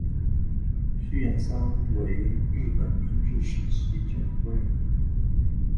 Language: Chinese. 续彦三为日本明治时期政府官员。